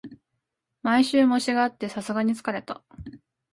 毎週、模試があってさすがに疲れた